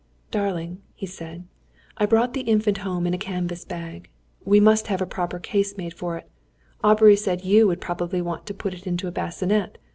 "Darling," he said, "I brought the Infant home in a canvas bag. We must have a proper case made for it. Aubrey said you would probably want to put it into a bassinet!